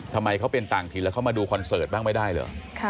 ทำไมเขาเป็นต่างถิ่นแล้วเขามาดูคอนเสิร์ตบ้างไม่ได้เหรอ